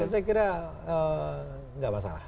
saya kira nggak masalah